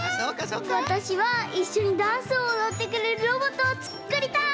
わたしはいっしょにダンスをおどってくれるロボットをつっくりたい！